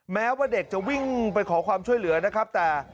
แม้ว่าเด็กจะวิ่งไปขอความช่วยเหลือนะครับแต่